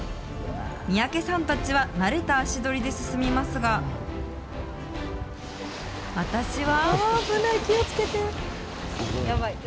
三宅さんたちは慣れた足取りで進みますが、私は。